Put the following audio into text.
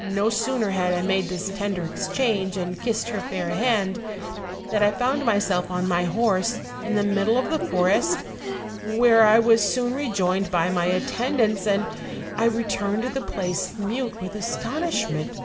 "No sooner had I made this tender exchange and kissed her fair hand, than I found myself on my horse, in the middle of the forest, where I was soon rejoined by my attendants, and I returned to the place mute with astonishment.